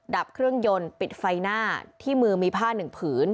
ดับเครื่องยนต์ปิดไฟหน้าที่มือมีผ้าหนึ่งผืน